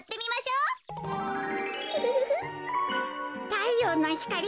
たいようのひかり